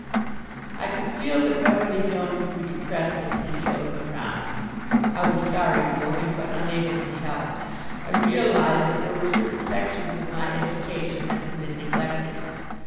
I could feel that Beverly Jones grew depressed as he showed me round. I was sorry for him, but unable to help. I realized that there were certain sections of my education that had been neglected.